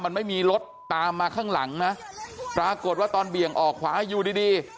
มันไม่มีรถตามมาข้างหลังนะปรากฏว่าตอนเบี่ยงออกขวาอยู่ดีดี